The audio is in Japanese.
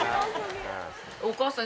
お母さん。